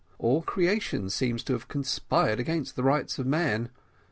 All creation appears to have conspired against the rights of man.